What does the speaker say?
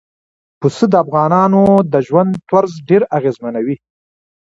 پسه د افغانانو د ژوند طرز ډېر اغېزمنوي.